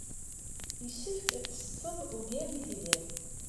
Yessefk ad tettetteḍ ugar n tidal.